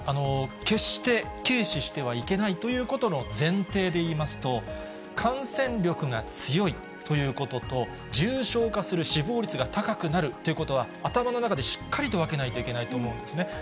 決して軽視してはいけないということの前提で言いますと、感染力が強いということと、重症化する、死亡率が高くなるということは、頭の中でしっかりと分けないといけないと思うんですね。